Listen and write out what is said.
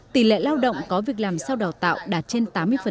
tỷ lệ lao động có việc làm sau đào tạo đạt trên tám mươi